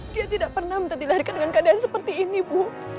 dia tidak pernah dilahirkan dengan keadaan seperti ini bu